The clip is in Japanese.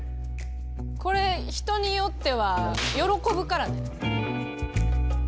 これ人によっては喜ぶからね。